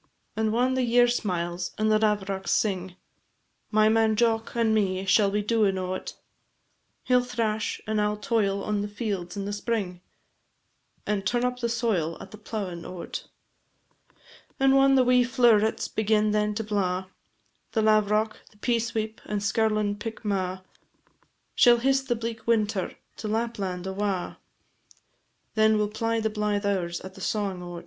And whan the year smiles, and the lavrocks sing, My man Jock and me shall be doin' o't; He 'll thrash, and I 'll toil on the fields in the spring, And turn up the soil at the plowin' o't. And whan the wee flow'rets begin then to blaw, The lavrock, the peasweep, and skirlin' pickmaw, Shall hiss the bleak winter to Lapland awa, Then we 'll ply the blythe hours at the sawin' o't.